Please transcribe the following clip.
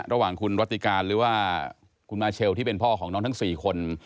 ระหว่างคุณรัติการหรือว่าคุณมาเชลที่เป็นพ่อของน้องทั้ง๔คน